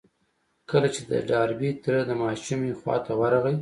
کله چې د ډاربي تره د ماشومې خواته ورغی.